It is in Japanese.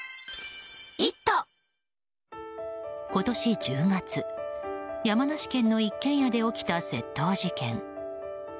今年１０月、山梨県の一軒家で起きた窃盗事件。